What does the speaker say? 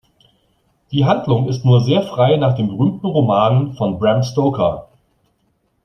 Die Handlung ist nur sehr frei nach dem berühmten Roman von Bram Stoker.